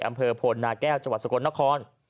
อำเภอพลนาแก้วจสกนคร